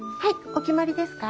お決まりですか？